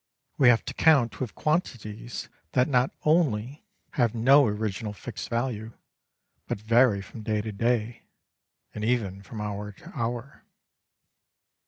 We have to count with quantities that not only have no original fixed value, but vary from day to day, and even from hour to hour.